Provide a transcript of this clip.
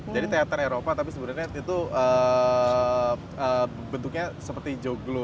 teater eropa tapi sebenarnya itu bentuknya seperti joglo